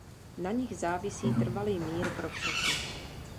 Na nich závisí trvalý mír pro všechny.